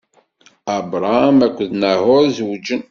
Abṛam akked Naḥuṛ zewǧen.